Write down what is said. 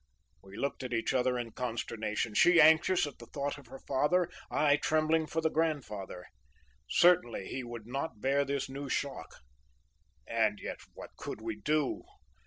We looked at each other in consternation, she anxious at the thought of her father, I trembling for the grandfather. Certainly he would not bear this new shock. And yet what could we do?